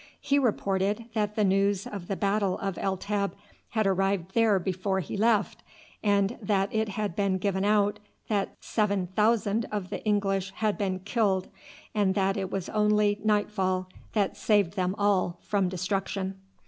He reported that the news of the battle of El Teb had arrived there before he left, and that it had been given out that seven thousand of the English had been killed, and that it was only nightfall that saved them all from destruction.